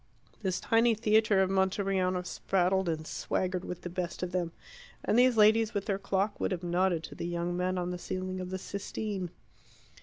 This tiny theatre of Monteriano spraddled and swaggered with the best of them, and these ladies with their clock would have nodded to the young men on the ceiling of the Sistine.